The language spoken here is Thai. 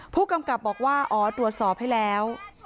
ผู้กำกับบอกว่าอ๋อตรวจสอบให้แล้ว